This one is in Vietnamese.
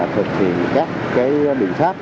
thực hiện các biện pháp